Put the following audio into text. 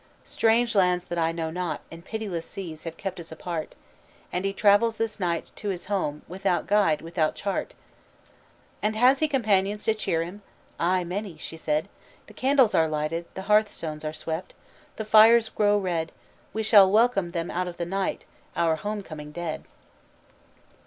'Strange lands that I know not, and pitiless seas Have kept us apart, And he travels this night to his home Without guide, without chart.' "'And has he companions to cheer him?' 'Aye, many,' she said. 'The candles are lighted, the hearthstones are swept, The fires glow red. We shall welcome them out of the night Our home coming dead.'"